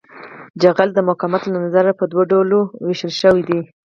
جغل د مقاومت له نظره په دوه ډلو ویشل شوی دی